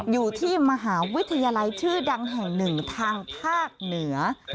อยู่ที่มหาวิทยาลัยชื่อดังแห่งหนึ่งทางภาคเหนือ